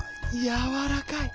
やわらかい。